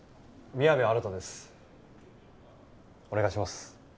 お願いします。